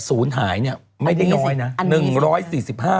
ศูนย์หายเนี่ยไม่ได้น้อยนะ